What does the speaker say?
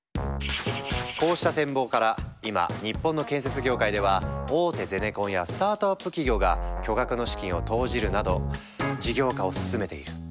こうした展望から今日本の建設業界では大手ゼネコンやスタートアップ企業が巨額の資金を投じるなど事業化を進めている。